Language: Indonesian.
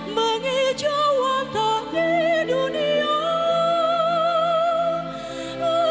mengijau antar di dunia